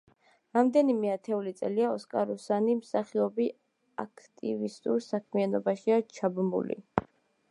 რამდენიმე ათეული წელია, ოკსაროსანი მსახიობი აქტივისტურ საქმიანობაშია ჩაბმული.